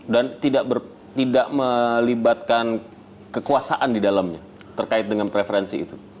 dan tidak melibatkan kekuasaan di dalamnya terkait dengan preferensi itu